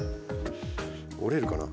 折れるかな？